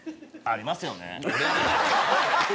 「ありますよね？」。